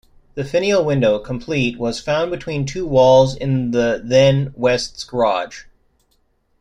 A finial window, complete, was found between two walls in the then "West's Garage".